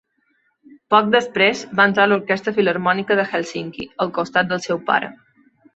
Poc després va entrar a l'Orquestra Filharmònica de Hèlsinki al costat del seu pare.